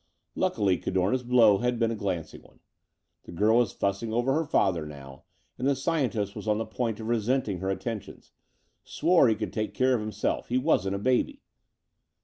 Luckily, Cardorna's blow had been a glancing one. The girl was fussing over her father, now, and the scientist was on the point of resenting her attentions; swore he could take care of himself; he wasn't a baby.